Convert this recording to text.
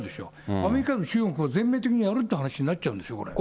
アメリカも中国を全面的にやるって話になっちゃうんですよ、これ。